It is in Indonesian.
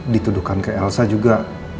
dituduhkan ke elsa juga